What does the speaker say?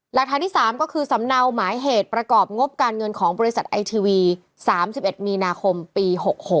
หลักฐานที่๓ก็คือสำเนาหมายเหตุประกอบงบการเงินของบริษัทไอทีวี๓๑มีนาคมปี๖๖